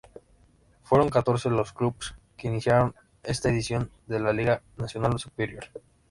Fueron catorce los clubes que iniciaron esta edición de la Liga Nacional Superior.